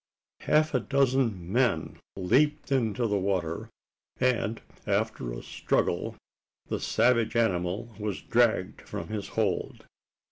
Half a dozen men leaped into the water; and, after a struggle, the savage animal was dragged from his hold.